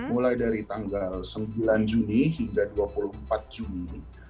mulai dari tanggal sembilan juni hingga dua puluh empat juni